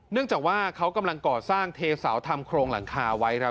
จากว่าเขากำลังก่อสร้างเทเสาทำโครงหลังคาไว้ครับ